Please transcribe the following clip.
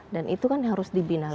dan itu kan harus dibina lagi